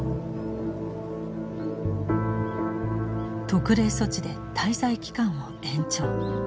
特例措置で滞在期間を延長。